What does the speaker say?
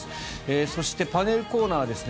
そして、パネルコーナーですね。